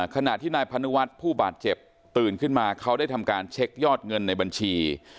ขณะที่นายพนุวัฒน์ผู้บาดเจ็บตื่นขึ้นมาเขาได้ทำการเช็คยอดเงินในบัญชี